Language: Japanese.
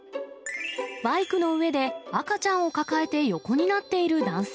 バイクの上で赤ちゃんを抱えて横になっている男性。